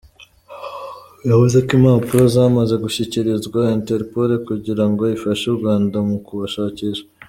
Yavuze ko impapuro zamaze gushyikirizwa Interpol kugira ngo ifashe u Rwanda mu kubashakisha.